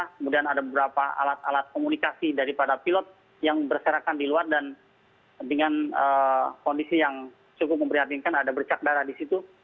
kemudian ada beberapa alat alat komunikasi daripada pilot yang berserakan di luar dan dengan kondisi yang cukup memprihatinkan ada bercak darah di situ